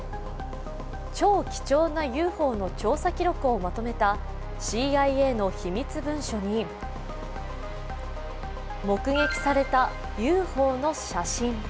超貴重なＵＦＯの調査記録をまとめたＣＩＡの秘密文書に目撃されたＵＦＯの写真。